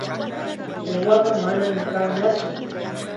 Qiwaqa manam kannatsu.